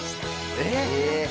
えっ？